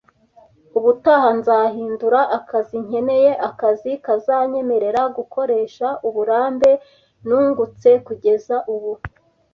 Ubutaha nzahindura akazi, nkeneye akazi kazanyemerera gukoresha uburambe nungutse kugeza ubu.